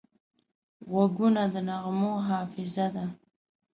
غوږونه د نغمو حافظه ده